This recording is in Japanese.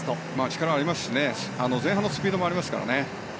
力がありますし前半のスピードもありますからね。